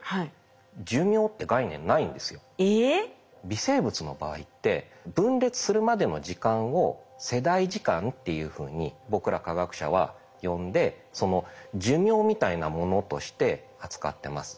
微生物の場合って分裂するまでの時間を世代時間っていうふうに僕ら科学者は呼んで寿命みたいなものとして扱ってます。